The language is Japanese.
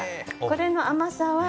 これの甘さは。